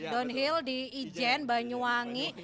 downhill di ijen banyuwangi